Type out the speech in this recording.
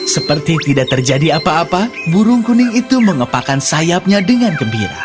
seperti tidak terjadi apa apa burung kuning itu mengepakan sayapnya dengan gembira